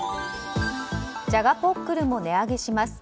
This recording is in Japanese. じゃがポックルも値上げします。